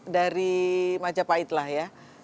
di majapahit lah ya